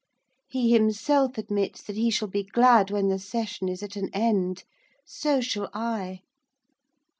He himself admits that he shall be glad when the session is at an end. So shall I.